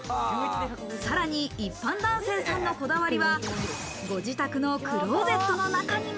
さらに一般男性さんのこだわりは、ご自宅のクローゼットの中にも。